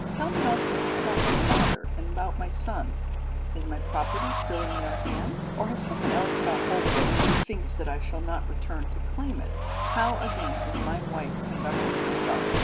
Tell me also about my father and my son? Is my property still in their hands, or has someone else got hold of it who thinks that I shall not return to claim it? How, again, is my wife conducting herself?